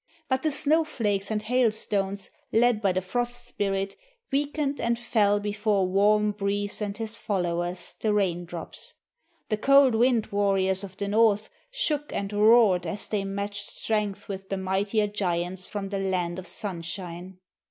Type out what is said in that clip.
But the Snowflakes and Hailstones led by the Frost spirit weakened and fell before Warm breeze and his followers, the Raindrops. The cold wind warriors of the North shook and roared as they matched strength with the mightier giants from the land of Sunshine.